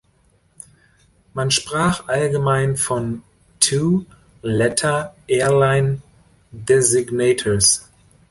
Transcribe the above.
Man sprach allgemein von "two-letter-airline-designators".